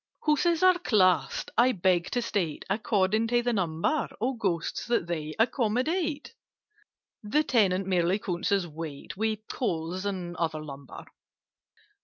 "Houses are classed, I beg to state, According to the number Of Ghosts that they accommodate: (The Tenant merely counts as weight, With Coals and other lumber).